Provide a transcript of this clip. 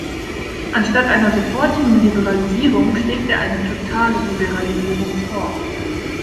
Anstatt einer sofortigen Liberalisierung schlägt er eine totale Liberalisierung vor.